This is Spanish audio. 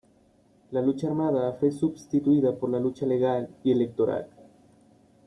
La lucha armada fue substituida por la lucha legal y electoral.